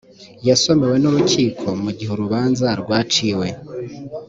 yasomewe n’urukiko mu gihe urubanza rwaciwe